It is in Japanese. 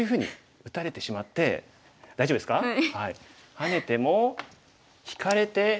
ハネても引かれて。